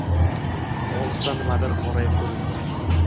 Olisdan nimadir qorayib ko‘rindi.